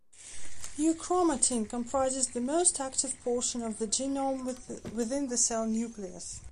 Euchromatin comprises the most active portion of the genome within the cell nucleus.